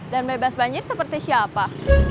dan bebas banjir seperti siapa